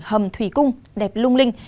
hầm thủy cung đẹp lung linh